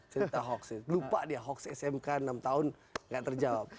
cerita hoax itu lupa dia hoax smk enam tahun nggak terjawab